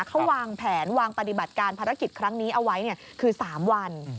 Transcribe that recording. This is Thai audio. เขาวางแผนวางปฏิบัติการภารกิจครั้งนี้เอาไว้คือ๓วัน